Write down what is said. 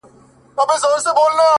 ته چي راغلې سپين چي سوله تور باڼه،